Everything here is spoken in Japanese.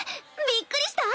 びっくりした？